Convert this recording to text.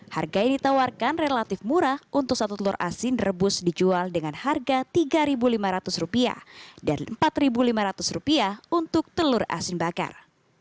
harga yang ditawarkan relatif murah untuk satu telur asin rebus dijual dengan harga rp tiga lima ratus dan rp empat lima ratus untuk telur asin bakar